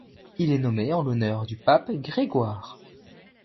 Il est nommé en l'honneur du Pape Grégoire.